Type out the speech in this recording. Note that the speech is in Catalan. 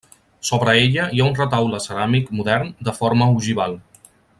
Sobre ella hi ha un retaule ceràmic modern de forma ogival.